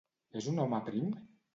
És un home prim?